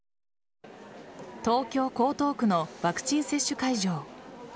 東京・江東区のワクチン接種会場。